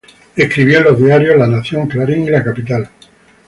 Escribió en los diarios, La Nación, Clarín y La Capital.